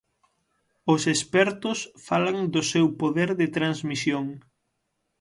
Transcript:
Os expertos falan do seu poder de transmisión.